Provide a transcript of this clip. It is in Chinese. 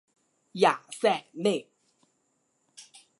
雅塞内。